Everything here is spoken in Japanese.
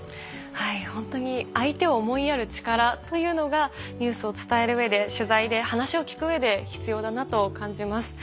はいホントに相手を思いやる力というのがニュースを伝える上で取材で話を聞く上で必要だなと感じます。